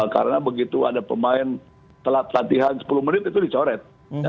karena begitu ada pemain telat latihan sepuluh menit itu dicoret